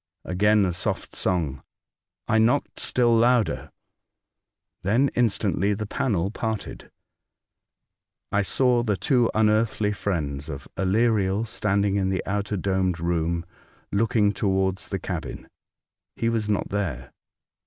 Again a soft song. I knocked still louder. Then instantly the panel parted. I saw the two un earthly friends of Aleriel standing in the outer domed room, looking towards the cabin. He was not there.